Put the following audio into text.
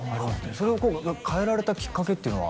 それを変えられたきっかけっていうのは？